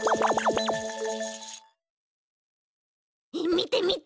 みてみて！